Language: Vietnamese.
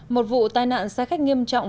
một vụ tai nạn xe khách nghiêm trọng